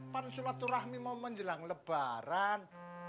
pansulatul rahmi mau menjelang lebaran